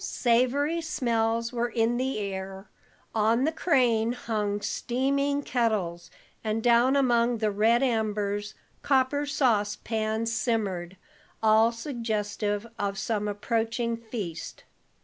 Savory smells were in the air; on the crane hung steaming kettles, and down among the red embers copper sauce pans simmered, all suggestive of some approaching feast.